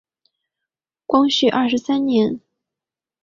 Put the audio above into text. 光绪二十三年。